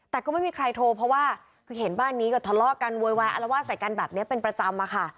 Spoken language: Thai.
แต่ก็ไม่มีใครโทรเพราะว่าคือเห็นบ้านนี้ก็ทะเลาะกันโวยวายอารวาสใส่กันแบบนี้เป็นประจำอะค่ะ